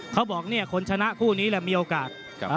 เค้าบอกคนชนะคู่นี้แหละมีโอกาส